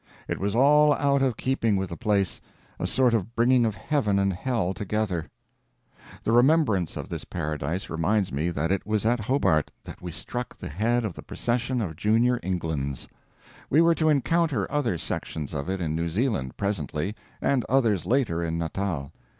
It was all out of keeping with the place, a sort of bringing of heaven and hell together. The remembrance of this paradise reminds me that it was at Hobart that we struck the head of the procession of Junior Englands. We were to encounter other sections of it in New Zealand, presently, and others later in Natal.